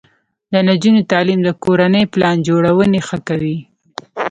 د نجونو تعلیم د کورنۍ پلان جوړونې ښه کوي.